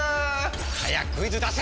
早くクイズ出せ‼